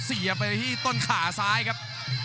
เสียไปที่ต้นขาซ้ายครับ